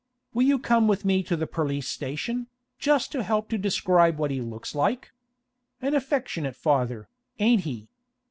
Will you come with me to the perlice station, just to help to describe what he looks like? An affectionate father, ain't he?